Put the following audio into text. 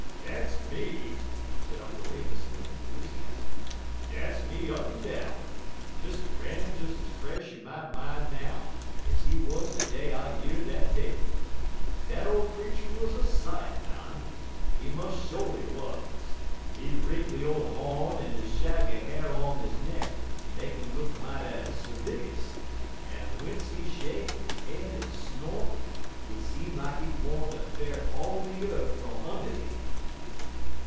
"Dat's me!" said Uncle Remus with enthusiasm; "dat's me up en down. Mr. Ram des ez fresh in my min' now ez he wuz de day I year de tale. Dat ole creetur wuz a sight, mon. He mos' sho'ly wuz. He wrinkly ole hawn en de shaggy ha'r on he neck make 'im look mighty servigous, en w'ence he shake he head en snort, hit seem lak he gwine ter fair paw de yeth fum und' 'im.